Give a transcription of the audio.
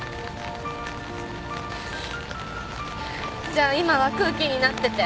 じゃあ今は空気になってて。